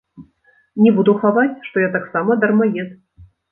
Не буду хаваць, што я таксама дармаед.